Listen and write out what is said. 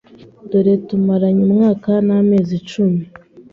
dore tumaranye umwaka n’amezi icumi